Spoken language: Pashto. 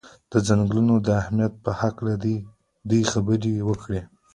د څنګلونو د اهمیت په هکله دې خبرې وکړي.